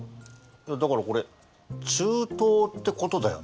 だからこれ中東ってことだよね？